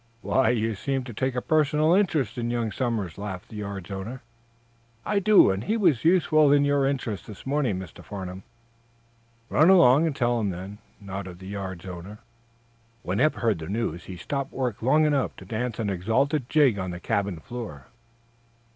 "Why, you seem to take a personal interest in young Somers," laughed the yard's owner. "I do. And he was useful in your interests this morning, Mr. Farnum." "Run along and tell him, then," nodded the yard's owner. When Eph heard the news he stopped work long enough to dance an exultant jig on the cabin floor.